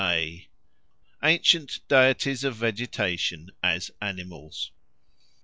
XLIX. Ancient Deities of Vegetation as Animals 1.